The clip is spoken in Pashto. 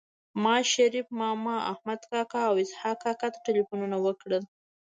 ما شريف ماما احمد کاکا او اسحق کاکا ته ټيليفونونه وکړل